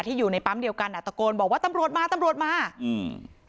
อยู่ในปั๊มเดียวกันอ่ะตะโกนบอกว่าตำรวจมาตำรวจมาอืม